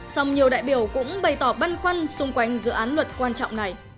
song nhiều đại biểu cũng bày tỏ băn khoăn xung quanh dự án luật quan trọng này